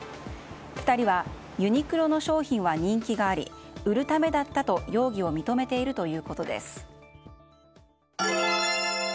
２人はユニクロの商品は人気があり売るためだったと容疑を認めているということです。